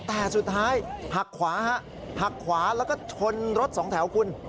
แต่สุดท้ายหักขวาฮะหักขวาแล้วก็ชนรถสองแถวคุณ